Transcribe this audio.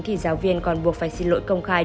thì giáo viên còn buộc phải xin lỗi công khai